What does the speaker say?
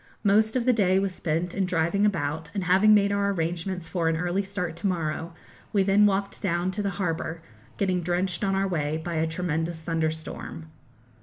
Most of the day was spent in driving about, and having made our arrangements for an early start to morrow, we then walked down to the harbour, getting drenched on our way by a tremendous thunderstorm.